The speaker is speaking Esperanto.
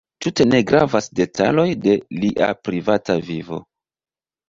Tute ne gravas detaloj de lia privata vivo.